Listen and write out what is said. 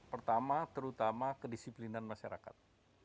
pertama terutama kedisiplinan masyarakat